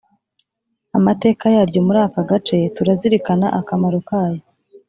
’amateka yaryo, muri aka gace turazirikana akamarokayo